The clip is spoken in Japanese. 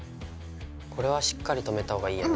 これはしっかり留めたほうがいいよね。